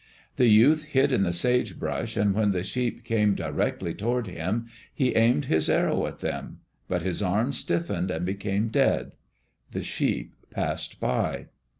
The youth hid in the sage brush and when the sheep came directly toward him, he aimed his arrow at them. But his arm stiffened and became dead. The sheep passed by.